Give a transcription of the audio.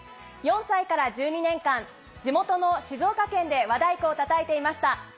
４歳から１２年間地元の静岡県で和太鼓を叩いていました。